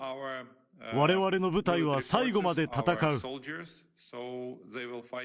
われわれの部隊は最後まで戦う。